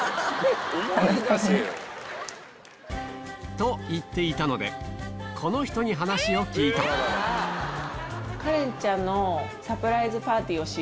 と言っていたのでこの人に話を聞いたカレンちゃんの。